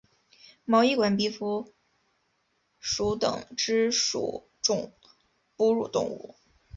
毛翼管鼻蝠属等之数种哺乳动物。